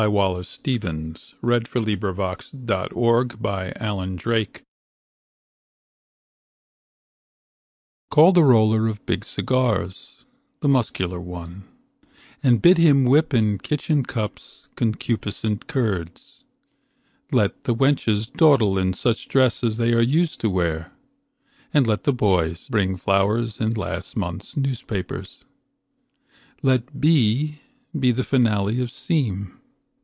Wallace Stevens The Emperor of Ice Cream CALL the roller of big cigars, The muscular one, and bid him whip In kitchen cups concupiscent curds. Let the wenches dawdle in such dress As they are used to wear, and let the boys Bring flowers in last month's newspapers. Let be be the finale of seem.